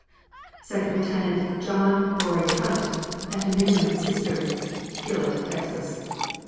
Second Lieutenant John Laury Hunt; Etta Newman, sister; Gillet, Texas.